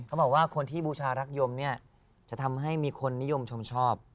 เขาบอกว่าคนที่บูชารักยมเนี่ยจะทำให้มีคนนิยมชมชอบ